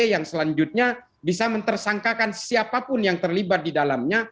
yang selanjutnya bisa mentersangkakan siapapun yang terlibat di dalamnya